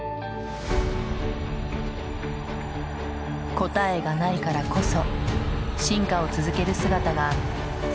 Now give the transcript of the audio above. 答えがないからこそ進化を続ける姿がそこにはありました。